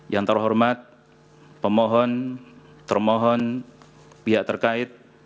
yang terhormat pemohon termohon pihak terkait